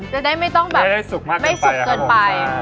จะได้ไม่ต้องแบบไม่สุกเจนไป